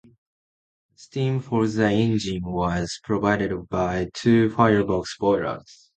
Steam for the engine was provided by two firebox boilers.